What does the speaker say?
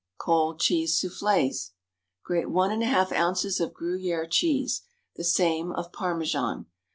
Cold Cheese Soufflés. Grate one and a half ounces of Gruyère cheese; the same of Parmesan.